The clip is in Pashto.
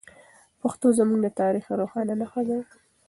پښتو زموږ د تاریخ روښانه نښه ده.